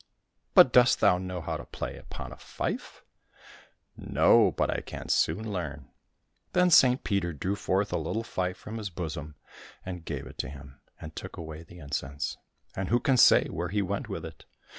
—" But dost thou know how to play upon a fife ?"—" No, but I can soon learn." Then St Peter drew forth a little fife from his bosom and gave it to him, and took away the incense, and who can say where he went with it